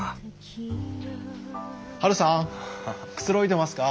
ハルさんくつろいでますか？